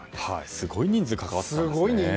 すごい人数が関わっていますね。